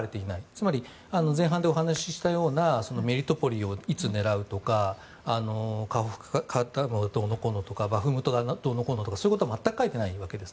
つまり、前半でお話ししたようなメリトポリをいつ狙うとかカホフカダムをどうのこうのとかバフムトをどうのこうのとかそういうことは全く書いてないわけです。